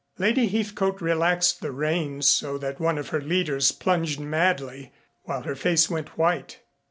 Lady Heathcote relaxed the reins so that one of her leaders plunged madly, while her face went white.